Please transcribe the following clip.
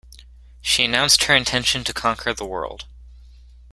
She announced her intention to conquer the world